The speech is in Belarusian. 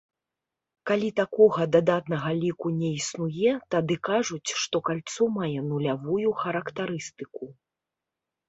Калі такога дадатнага ліку не існуе, тады кажуць, што кальцо мае нулявую характарыстыку.